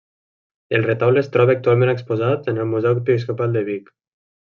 El Retaule es troba actualment exposat en el Museu Episcopal de Vic.